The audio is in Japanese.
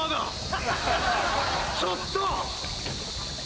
ちょっと。